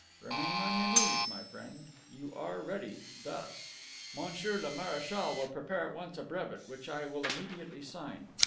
"Remain on your knees, my friend. You are ready, thus. Monsieur le Marechal will prepare at once a brevet, which I will immediately sign.